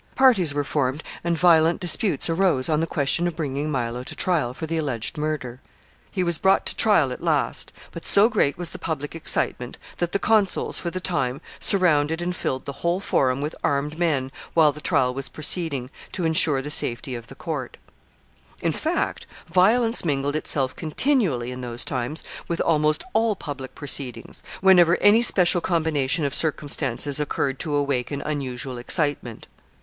Parties were formed, and violent disputes arose on the question of bringing Milo to trial for the alleged murder. He was brought to trial at last, but so great was the public excitement, that the consuls for the time surrounded and filled the whole Forum with armed men while the trial was proceeding, to ensure the safety of the court. [Sidenote: Conspiracy of Catiline.] [Sidenote: Warm debate in the Senate.] [Sidenote: Caesar in danger of violence.] In fact, violence mingled itself continually, in those times, with almost all public proceedings, whenever any special combination of circumstances occurred to awaken unusual excitement.